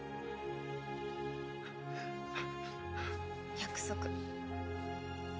約束。